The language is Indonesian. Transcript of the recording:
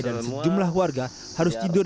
dan sejumlah warga harus tidur